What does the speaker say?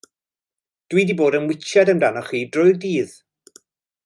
Dw i 'di bod yn witsiad amdanach chdi trwy dydd.